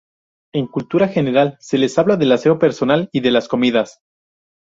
En cultura general se les habla del aseo personal y de las comidas.